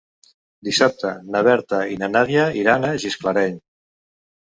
Dissabte na Berta i na Nàdia iran a Gisclareny.